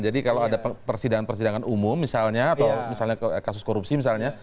kalau ada persidangan persidangan umum misalnya atau misalnya kasus korupsi misalnya